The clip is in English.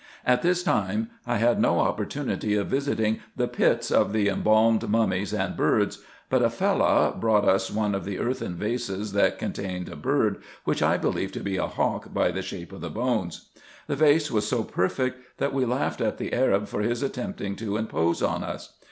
At this time I had no opportunity of visiting the pits of the embalmed mummies, and birds ; but a Fellah brought us one of the earthen vases that contained a bird, which I believed to be a hawk by the shape of the bones. The vase was so perfect, that we laughed at the Arab for his attempting to impose on us.